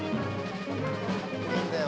いいんだよ。